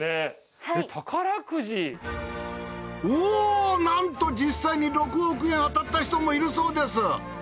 おぉなんと実際に６億円当たった人もいるそうです。